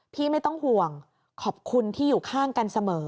ไม่ต้องห่วงขอบคุณที่อยู่ข้างกันเสมอ